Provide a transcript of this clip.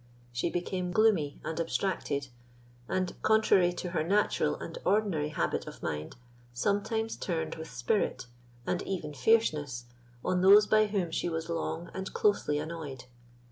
She became gloomy and abstracted, and, contrary to her natural and ordinary habit of mind, sometimes turned with spirit, and even fierceness, on those by whom she was long and closely annoyed.